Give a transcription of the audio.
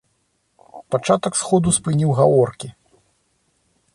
Пачатак сходу спыніў гаворкі.